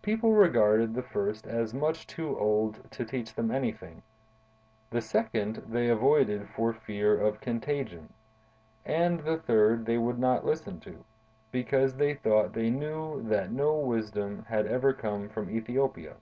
People regarded the first as much too old to teach them anything; the second they avoided for fear of contagion; and the third they would not listen to, because they thought they knew that no wisdom had ever come from Ethiopia.